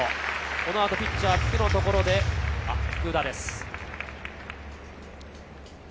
このあとピッチャー・福のところで福田です。